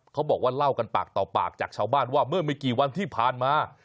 เขาบอกว่าเล่ากันปากต่อปากจากชาวบ้านว่าเมื่อไม่กี่วันที่ผ่านมา